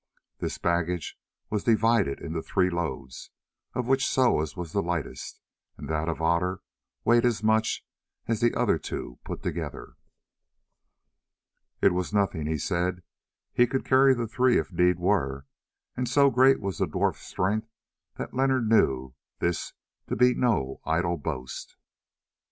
This baggage was divided into three loads, of which Soa's was the lightest, and that of Otter weighed as much as the other two put together. "It was nothing," he said, "he could carry the three if need were;" and so great was the dwarf's strength that Leonard knew this to be no idle boast.